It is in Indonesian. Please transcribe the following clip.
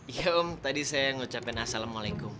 iya om tadi saya ngucapkan assalamualaikum